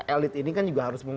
elit ini kan juga harus